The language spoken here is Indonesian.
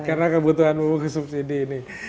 karena kebutuhan buku subsidi ini